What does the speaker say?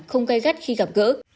không gai gắt khi gặp gỡ